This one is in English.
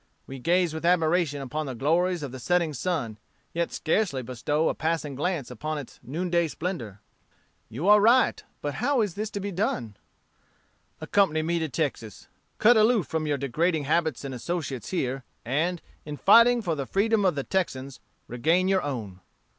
We gaze with admiration upon the glories of the setting sun, yet scarcely bestow a passing glance upon its noonday splendor.' "'You are right; but how is this to be done?' "'Accompany me to Texas. Cut aloof from your degrading habits and associates here, and, in fighting for the freedom of the Texans, regain your own.'